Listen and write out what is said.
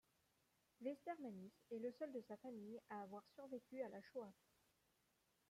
Vestermanis est le seul de sa famille à avoir survécu à la Shoah.